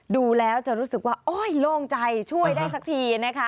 ดูแล้วจะรู้สึกว่าโอ๊ยโล่งใจช่วยได้สักทีนะคะ